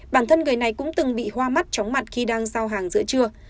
bản thân người này cũng từng bị hoa mắt chóng mặt khi đang giao hàng giữa trưa